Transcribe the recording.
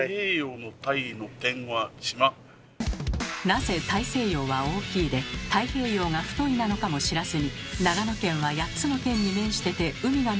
なぜ大西洋は「大」で太平洋が「太」なのかも知らずに「長野県は８つの県に面してて海がないよね」